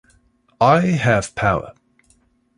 I have power